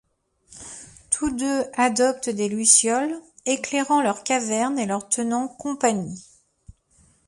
Tous deux adoptent des lucioles, éclairant leur caverne et leur tenant compagnie.